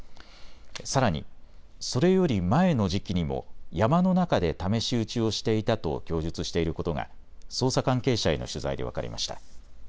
さらに、それより前の時期にも山の中で試し撃ちをしていたと供述していることが捜査関係者への取材で分かりました。